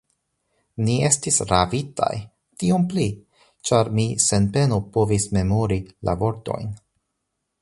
Ni estis ravitaj, tiom pli, ĉar mi sen peno povis memori la vortojn.